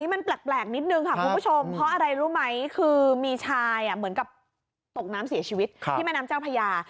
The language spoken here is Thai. มันแปลกนิดนึงค่ะคุณผู้ชมเพราะอะไรรู้ไหมคือมีชายเหมือนกับตกน้ำเสียชีวิตที่แม่น้ำเจ้าพญา